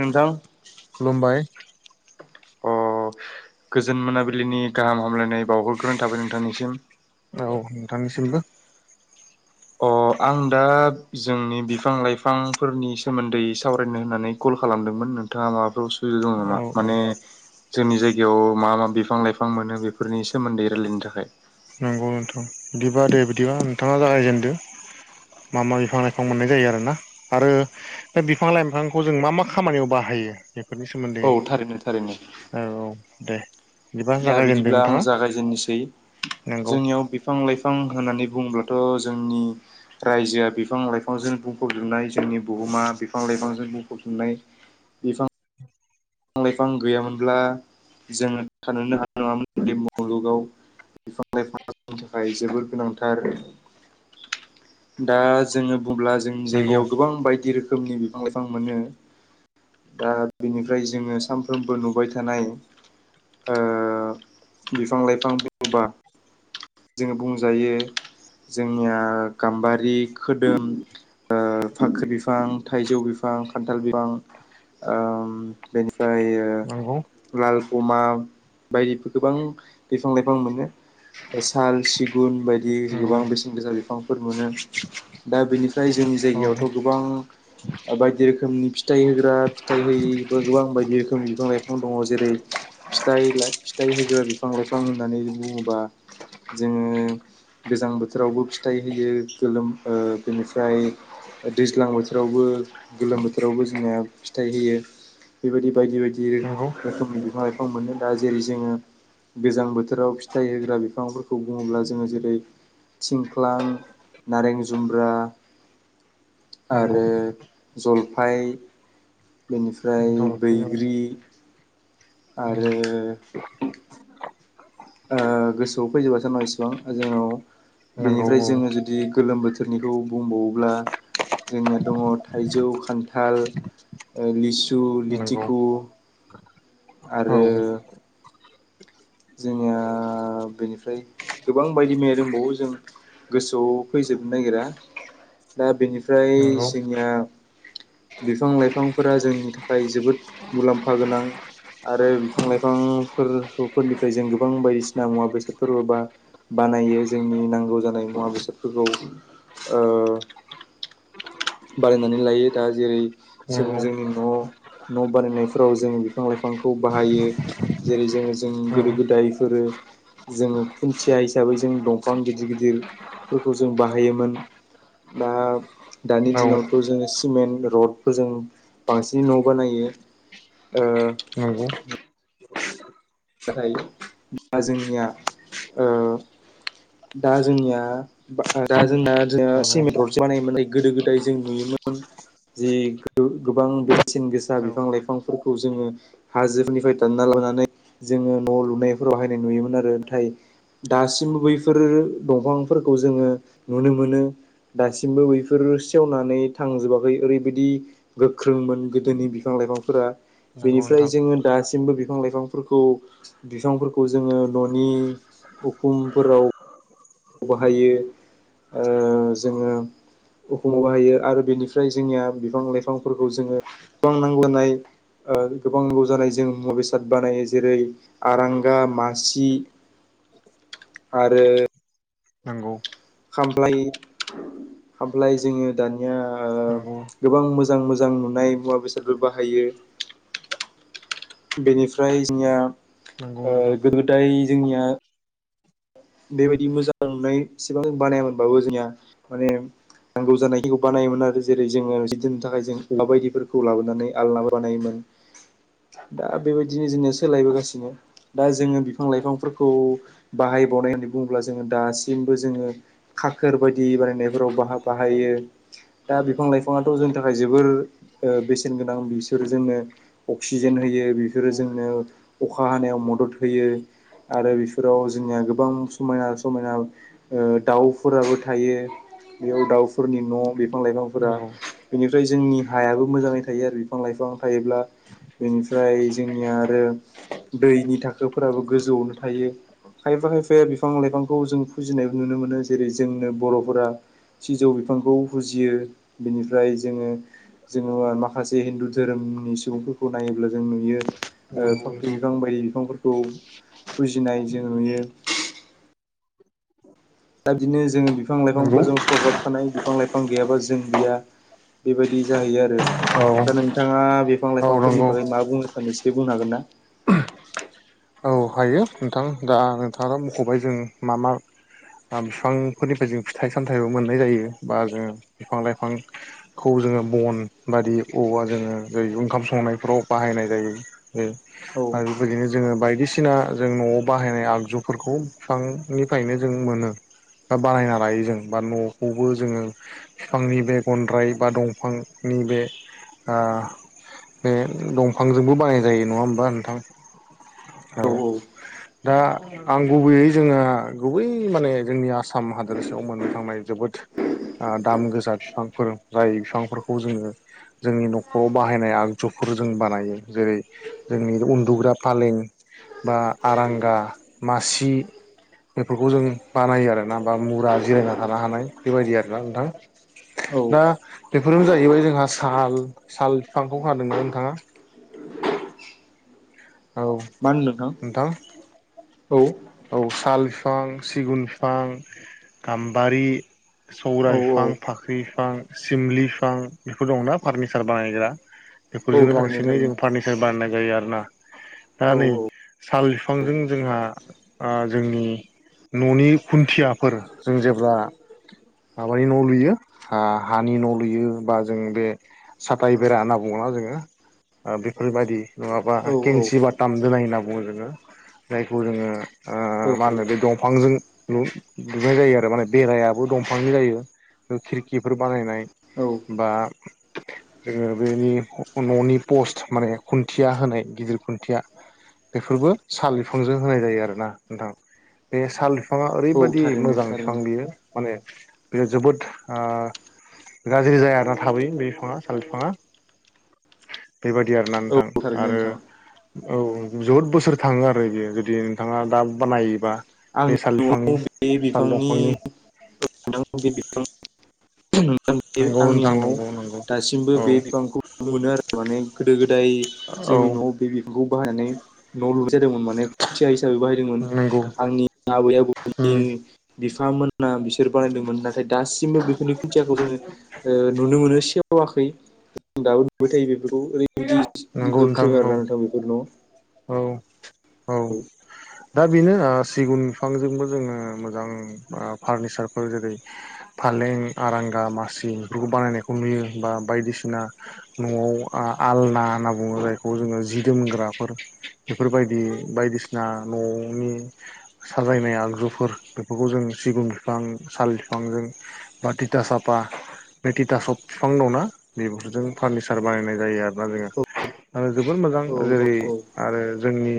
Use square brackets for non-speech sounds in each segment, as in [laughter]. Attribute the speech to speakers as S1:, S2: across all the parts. S1: नोंथां।
S2: खुलुमबाय।
S1: अ गोजोन मोनाबिलिनि गाहाम हामलायनाय बावहरग्रोनाय थाबाय नोंथांनिसिम।
S2: औ नोंथांनिसिमबो।
S1: अ आं दा जोंनि बिफां लाइफांफोरनि सोमोन्दै सावरायनो होननानै कल खालामदोंमोन नोंथाङा माबाफोर उसुबिदा दं
S2: औ
S1: नामा
S2: औ
S1: माने जोंनि जायगायाव मा मा बिफां लाइफां मोनो बेफोरनि सोमोन्दै रायलायनो थाखाय।
S2: नंगौ नोंथां बिदिबा दे बिदिबा नोंथाङा जागायजेनदो। मा मा बिफां लाइफां मोननाय जायो आरोना आरो बे बिफां लाइ बिफांखौ जों मा मा खामानियाव बाहायो। बेफोरनि सोमोन्दै
S1: औ थारैनो थारैनो
S2: औ दे बिदिबा
S1: दा
S2: जागायजेनदों
S1: बिदिब्ला आं
S2: नोंथाङा। नंगौ
S1: जोंनियाव बिफां लाइफां होननानै बुङोब्लाथ' जोंनि। रायजोआ बिफां लाइफांजों बुंफबजोबनाय जोंनि बुहुमा बिफां लाइफांजों बुंफबजोबनाय। बिफां। बिफां लाइफां गैयामोनब्ला जोङो थानोनो हानाय नङामोन बे मुलुगाव। बिफां लाइफांनि थाखाय जोबोर गोनांथार। दा जोङो बुंब्ला जोंनि
S2: नंगौ
S1: जायगायाव गोबां बायदि रोखोमनि बिफां लाइफां मोनो। दा बेनिफ्राय जोङो सामफ्रोमबो नुबाय थानाय ओ बिफां लाइफां दङबा। जोङो बुंजायो जोंनिया गाम्बारि खोदोम। ओ फाख्रि बिफां थाइजौ बिफां खान्थाल बिफां ओ बेनिफ्राय
S2: नंगौ
S1: ओ लाल फमा बायदि गोबां बिफां लाइफां मोनो। साल सिगुन बायदि
S2: नंगौ
S1: गोबां बेसेन गोसा बिफां। नो दा बेनिफ्राय जोंनि
S2: औ
S1: जायगायावथ' गोबां। बायदि रोखोमनि फिथाइ होग्रा फिथाइ होयिबो गोबां बायदि रोखोमनि बिफां लाइफां दङ जेरै फिथाइ फिथाइ होग्रा बिफां लाइफां होननानै बुङोबा जों
S2: [inaudible]
S1: गोजां बोथोरावबो फिथाइ होयो गोलोम ओ बेनिफ्राय दैज्लां बोथोरावबो गोलोम बोथोरावबो जोंनिया फिथाइ होयो बेबायदि बायदि बायदि। होयो
S2: नंगौ
S1: रोखोमनि बिफां लाइफां मोनो दा जेरै जोङो गोजां बोथोराव फिथाइ होग्रा बिफांफोरखौ बुङोब्ला जोङो जेरै थिं ख्लां नारें जुमब्रा
S2: नंगौ
S1: आरो जलफाइ बेनिफ्राय
S2: जलफि औ
S1: बैग्रि आरो। ओ गोसोआव फैजोबासै होमबा इसिबां जेन'
S2: नंगौ
S1: बेनिफ्राय
S2: औ
S1: जोङो जुदि गोलोम बोथोरनिखौ बुंबावोब्ला जोंनिया दङ थाइजौ खान्थाल लिसु
S2: नंगौ
S1: लिथिखु
S2: औ नंगौ
S1: आरो जोंनिया बेनिफ्राय गोबां बायदि मैया दंबावो जों गोसोआव फैजोबनो नागिरा दा बेनिफ्राय
S2: नंगौ औ
S1: जोंनिया बिफां लाइफांफोरा जोंनि थाखाय जोबोद मुलाम्फा गोनां। आरो बिफां लाइफां फोरखौ फोरनिफ्राय जों गोबां बायदिसिना मुवा बेसाद फोरबो बा। बानायो जोंनि नांगौ जानाय मुवा बेसादफोरखौ ओ बानायनानै लायो दा जेरै जोङो
S2: नंगौ औ
S1: जोंनि न'। न' बानायनायफोराव जों बिफां लाइफांखौ बाहायो। जेरै जोङो जों गोदो गोदायफोरो। जोङो खुन्थिया हिसाबै जों दंफां गिदिर गिदिरफोरखौ जों बाहायोमोन। दा दानि दिनावथ' जोङो सिमेन्ट रड। खौ जों बांसिनै न' बानायो ओ।
S2: नंगौ।
S1: नाथाय दा जोंनिया ओ दा जोंनिया। दा जोंना ओ सिमेन्ट बानायोमोन गोदो गोदाय जों नुयोमोन। जे गो गोबां बेसेन गोसा
S2: नंगौ
S1: बिफां लाइफांफोरखौ जोङो हाजोफोरनिफ्राय दानना लानानै जोङो न' लुनायफोराव बाहायनाय नुयोमोन आरो नाथाय। दासिमबो बैफोरो दंफांफोरखौ जोङो नुनो मोनो। दासिमबो बैफोर सेवनानै थांजोबाखै ओरैबायदि गोख्रोंमोन गोदोनि बिफां लाइफांफोरा बेनिफ्राय
S2: नोंथां
S1: जोङो दासिमबो बिफां लाइफांफोरखौ। खौ बिफांफोरखौ जोङो न'नि उखुमफोराव बाहायो ओ जोङो उखुमाव बाहायो आरो बेनिफ्राय जोंनिया बिफां लाइफांफोरखौ जोङो गोबां नांलानाय। ओ गोबां नांगौ जानाय जों मुवा बेसाद बानायो जेरै आरांगा मासि आरो।
S2: नंगौ।
S1: खामफ्लाइ खामफ्लाइ जोङो दानिया।
S2: नंगौ
S1: गोबां मोजां मोजां नुनाय मुवा बेसादफोर बाहायो। बेनिफ्राय जोंनिया
S2: नंगौ
S1: ओ
S2: नोंथां
S1: गोदो गोदाय जोंनिया बेबायदि मोजां नुनाय एसिबां बानायामोनबाबो जोंनिया माने नांगौ जानायखौ बानायोमोन आरो जेरै जोङो जि दोननो थाखाय जों औवा बायदिफोरखौ लाबोनानै आलनाबो बानायोमोन। दा बेबायदिनो जोङो सोलायबोगासिनो। दा जोङो बिफां लाइफांफोरखौ बाहायबावनाय होननानै बुङोब्ला जोङो दासिमबो जोङो खाखोर बायदि बानायनायफोराव बाह बाहायो। दा बिफां लाइफाङाथ' जोंनि थाखाय जोबोर बेसेन गोनां बिसोर जोंनो। अक्सिजेन होयो बेफोरो
S2: नंगौ
S1: जोंनो अखा हानायाव मदद होयो। आरो बेफोराव जोंनिया। गोबां समायना समायना ओ दाउफोराबो थायो। बेयाव दाउफोरनि न' बिफां लाइफांफोरा
S2: नंगौ
S1: बिनिफ्राय जोंनि हायाबो मोजाङै थायो आरो बिफां लाइफां थायोब्ला बेनिफ्राय जोंनिया आरो दैनि थाखोफोराबो गोजौआवनो थायो खायफा खायफा फाया बिफां लाइफांखौ जों फुजिनायबो नुनो मोनो जेरै जोंनो बर'फोरा सिजौ बिफांखौ फुजियो बिनिफ्राय जोङो जोङो माखासे हिन्दु धोरोमनि सुबुंफोरखौ नायोब्ला जों नुयो ओ
S2: नंगौ
S1: फाख्रि
S2: नोंथां
S1: बिफां बायदि बिफांफोरखौ फुजिनाय जों नुयो। दा बिदिनो जों बिफां
S2: नंगौ
S1: लाइफांफोरजों सरजाबफानाय बिफां लाइफां गैयाबा जों गैया। बेबायदि जाहैयो आरो।
S2: औ
S1: दा नोंथाङा बिफां
S2: औ
S1: लाइफांफोरनि
S2: नंगौ
S1: बागै मा बुंनो सानो एसे बुंनो हागोन ना?
S2: औ हायो नोंथां दा नोंथाङा मख'बाय जों मा मा बिफांफोरनिफ्राय जों फिथाइ सामथाइबो मोननाय जायो बा जों बिफां लाइफां खौ जोङो बन बादि औवा जोङो दैजौ ओंखाम संनायफ्राव बाहायनाय जायो। यो
S1: औ
S2: आरो बेबायदिनो जोङो बायदि सिना जों न'आव बाहायनाय आगजुफोरखौ बिफांनिफ्रायनो जों मोनो। बा बानायना लायो जों बा न'खौबो जोङो बिफांनि बे गन्द्राय बा दंफांनि बे आ बे दंफांजोंबो बानाय जायो नङा होमबा नोंथां? औ दा आं गुबैयै जोङो गुबै माने जोंनि आसाम हादोरसायाव मोननो थांनाय जोबोद ओ दाम गोसा बिफांफोर जाय बिफांफोरखौ जोङो जोंनि न'खराव बाहायनाय आगजुफोर जों बानायो जेरै जोंनि उन्दुग्रा फालें बा आरांगा मासि बेफोरखौ जों बानायो आरोना बा मुरा जिरायना थानो हानाय बेबायदि आरोना नोंथां।
S1: औ
S2: दा बेफोरनो जाहैबाय जोंहा साल साल बिफांखौ खोनादोंना नोंथाङा? औ
S1: मा होनदों नोंथां? औ।
S2: औ साल बिफां सिगुन बिफां गाम्बारि सौरा
S1: औ औ
S2: बिफां फाख्रि बिफां सिमलि बिफां बेफोर दंना फार्निचार बानायग्रा।
S1: [inaudible]
S2: बेफोरजोंनो
S1: थारैनो
S2: बांसिनै
S1: थारैनो
S2: जों
S1: नोंथां
S2: फार्नि चार बानायनाय जायो आरोना दा
S1: औ
S2: नै साल बिफांजों जोंहा ओ जोंनि न'नि खुन्थियाफोर जों जेब्ला माबानि न' लुयो हा-हानि न' लुयो बा जों बे साथाय बेरा होनना बुङोना जोङो? ओ बेफोरबायदि नङाबा
S1: औ
S2: केेंसि बाथाम दोनाय होनना बुङो जोङो। जायखौ जोङो ओ
S1: औ
S2: मा होनो बे दंफांजों लु-लुनाय जायो आरो माने बेरायाबो दंफांनि जायो। खिरखिफोर बानायनाय
S1: औ
S2: बा जोङो बेनि न'नि पस्ट माने खुन्थिया होनाय गिदिर खुन्थिया बेफोरबो साल बिफांजों होनाय जायो आरोना। नोंथां बे साल बिफाङा
S1: औ
S2: ओरैबादि
S1: थारैनो
S2: मोजां बिफां
S1: थारैनो
S2: बियो! माने बियो जोबोद आ गाज्रि जाया आरोोना थाबैयो बे बिफाङा साल बिफाङा बेबायदि आर ना
S1: औ
S2: थां
S1: थारैनो
S2: आरो
S1: नोंथां
S2: औ जोबोद बोसोर थांङो आरो बियो जुदि नोंथाङा दा बानायोबा
S1: आंनि
S2: बे साल बिफांनि साल दंफांनि
S1: नोंथां बे बिफां
S2: नंगौ
S1: [unintelligible] आंनि
S2: नोंथां
S1: न'आव
S2: नंगौ नंगौ
S1: दासिमबो
S2: औ
S1: बे बिबांखौ मोनो आरो माने गोदो गोदाय
S2: औ
S1: जोंनि न' बे बिखौ बाहायनानै न' लुनाय जादोंमोन माने खुन्थिया हिसाबै बाहायदोंमोन
S2: नंगौ
S1: आंनि आबै आबौनि
S2: उम
S1: [unintelligible] बिफांमोना बिसोर बानायदोंमोन [unintelligible] नाथाय दासिमबो बेफोरनि खुन्थियाखौ जोङो नुनो मोनो सेवाखै [unintelligible]
S2: नंगौ नोंथां औ
S1: [unintelligible]
S2: औ औ दा बेनो सिगुन बिफांजोंबो जोङो मोजां फारनिसारफोर जेरै फालें आरांगा मासि बेफोरखौ बानायनायखौ नुयो बा बायदिसिना न'आव आलना होनना बुङो जायखौ जोङो जि दोम बेफोरबायदि बायदिसिना न'नि [inaudible] साजायनाय आगजुफोर बेफोरखौ जों सिगुन बिफां साल बिफांजों बाथिथा साफा मेथिथासब बिफां दंना बेफोरजों फार्निचार बानायनाय जायो आरोना जोङो।
S1: औ
S2: आरो जोबोद मोजां
S1: औ
S2: जेरै
S1: औ
S2: आरो जोंनि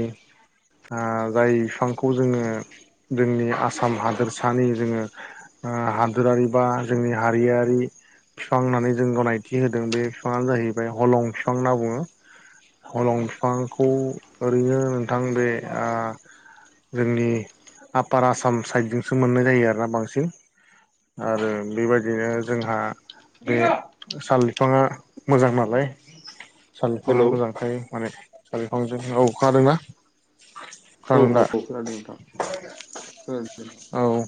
S2: जाय बिफांखौ जोङो जोंनि आसाम हादोरसानि जोङो हादोरारि बा जोंनि हारियारि बिफां होननानै जों गनायथि होदों बे बिफाङानो जाहैबाय हलं बिफां होनना बुङो। हलं बिफांखौ ओरैनो नोंथां दे आ जोंनि आफार आसाम साइडजोंसो मोननाय जायो आरोना बांसिन आरो बेबायदिनो जोंहा बे साल बिफाङा मोजां नालाय साल बिफाङा
S1: हेलौ
S2: मोजांखायो माने साल बिफांजों [unintelligible]
S1: औ औ औ खोनादों नोंथां [unintelligible]
S2: औ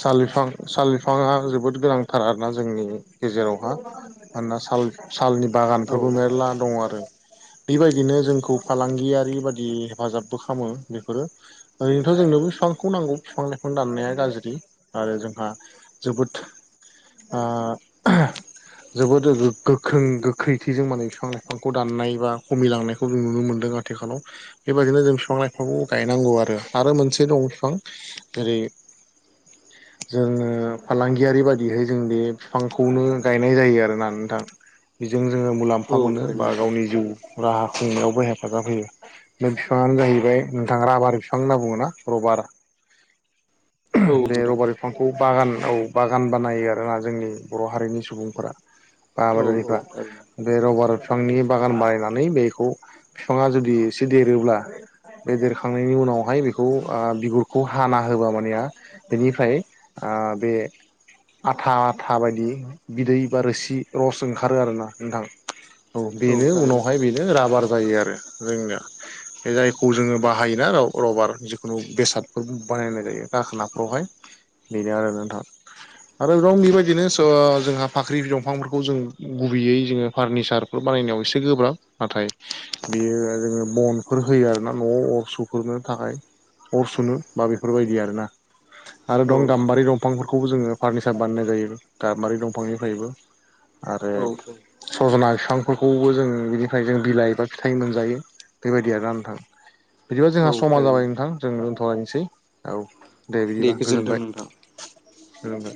S2: साल बिफां साल बिफाङा जोबोद गोनांथार आरोना जोंनि गेजेरावहा मानोना साल सालनि बागानफोरबो
S1: औ
S2: मेरला दङ आरो बेबायदिनो जोंखौ फालांगियारि बादि हेफाजाबबो खालामो बेफोरो ओरैनोथ जोंनोबो बिफांखौ नांगौ बिफांनो [unintelligible] दाननाया गाज्रि आरो जोंहा जोबोद ओ जोबोद गोख्रों गोख्रैथि जों माने बिफां लाइफांखौ दाननाय बा खमिलांनायखौ जों नुनो मोन्दों आरो आथिखालाव बेबायदिनो जों बिफां लाइफांखौ गायनांगौ आरो आरो मोनसे दं बिफां जेरै
S1: [unintelligible]
S2: जोङो फालांगियारि बायदिहाय जों बे बिफांखौनो गायना बेजों जोङो मुलाम्फा
S1: औ औ
S2: मोनो
S1: थारैनो
S2: बा
S1: नोंथां
S2: गावनि जिउ राहा खुंनायावबो हेफाजाब होयो। बे बिफाङानो जाहैबाय नोंथां राभार बिफां होनना बुङो ना रबार
S1: औ
S2: बे
S1: नोंथां
S2: रबारि बिफांखौ बागान औ बागान बानायो आरोना जोंनि बर' हारिनि सुबुंफोरा बा
S1: औ औ
S2: आबादारिफ्रा
S1: थारैनो
S2: बे रबार बिफांनि बागान बानायनानै बेखौ बिफाङा जुदि एसे देरोब्ला‌ बे दरखांनायनि उनावहाय बेखौ आ बिगुरखौ हाना नैहोबा मानया बेनिफ्राय आ बे आथा आथा बायदि बिदै बा रोसि रस ओंखारो आरोना नोंथां। औव
S1: औ
S2: बेनो
S1: थारैनो
S2: उनावहाय
S1: नोंथां
S2: बेनो राबार जायो आरो जोंनिया। बे जायखौ जोङो बाहायोना रबार जिखुनु बेसादफोर बानायनाय जायो गाखोनाफ्रावहाय बेनो आरो नोंथां। आरो [unintelligible] बेबायदिनो जोंहा फाख्रि दंफांफोरखौ जों गुबैयै जोङो फारनिचार बेफोर बानायनायाव एसे गोब्राब। नाथाय बियो जोङो बनफोर होयो आरो ना न'आव अर सुफोरनो थाखाय अर सुनो बा बेफोरबायदि आरोना आरो
S1: औ
S2: दं गामबारि दं दंफांफोरखौबो जोङो फारनिचार बानायनाय जायो गामबारि दंफांनिफ्रायबो आरो
S1: औ औ
S2: सजना बिफांफोरखौबो जों बिनिफ्राय जों बिलाइबा फिथाइ मोनजायो। बेबायदि आरोना नोंथां बिदिबा जोंहा
S1: औ
S2: समा
S1: थारैनो
S2: जाबाय नोंथां जों दोनथ'लायनोसै औव। दे बिदिबा
S1: गोजोन्थों
S2: गोजोनबाय
S1: नोंथां।
S2: गोजोनथों।